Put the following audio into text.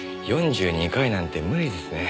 ４２回なんて無理っすね。